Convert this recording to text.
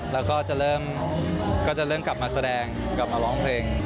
แล้วก็จะเริ่มก็จะเริ่มกลับมาแสดงกลับมาร้องเพลง